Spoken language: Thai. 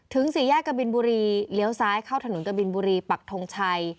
สี่แยกกบินบุรีเลี้ยวซ้ายเข้าถนนกบินบุรีปักทงชัย